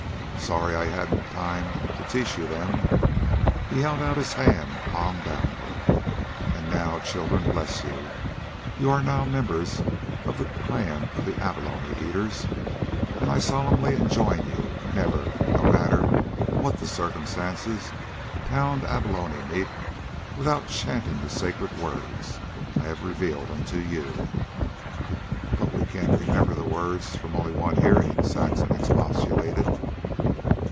"Sorry I hadn't time to teach you them." He held out his hand, palm downward. "And now, children, bless you, you are now members of the clan of Abalone Eaters, and I solemnly enjoin you, never, no matter what the circumstances, pound abalone meat without chanting the sacred words I have revealed unto you." "But we can't remember the words from only one hearing," Saxon expostulated.